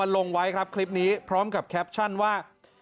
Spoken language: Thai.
ลงไว้ครับคลิปนี้พร้อมกับแคปชั่นว่า